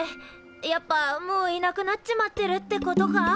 やっぱもういなくなっちまってるってことか？